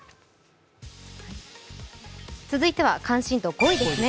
続いては関心度５位ですね。